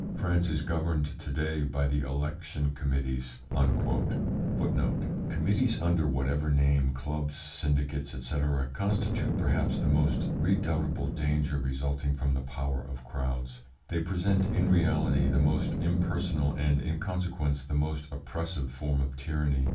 France is governed to day by the election committees." Committees under whatever name, clubs, syndicates, &c., constitute perhaps the most redoubtable danger resulting from the power of crowds. They represent in reality the most impersonal and, in consequence, the most oppressive form of tyranny.